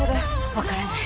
わからない。